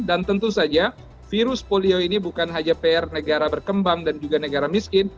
tentu saja virus polio ini bukan hanya pr negara berkembang dan juga negara miskin